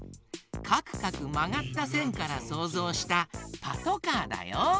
かくかくまがったせんからそうぞうした「パトカー」だよ。